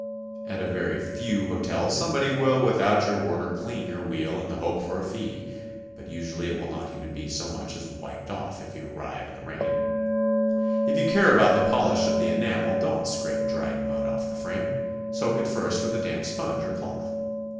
At a very few ii8 GOING ABROAD? hotels somebody will without your order clean your wheel in the hope of a fee, but usually it will not even be so much as wiped off if you arrive in the rain. If you care about the polish of the enamel, don't scrape dried mud off the frame; soak it first with a damp sponge or cloth.